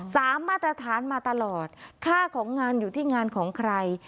มาตรฐานมาตลอดค่าของงานอยู่ที่งานของใคร